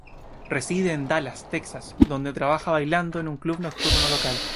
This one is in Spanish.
Reside en Dallas, Texas, donde trabaja bailando en un club nocturno local.